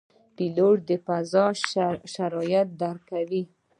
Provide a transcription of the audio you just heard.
پیلوټ د فضا شرایط درک کوي.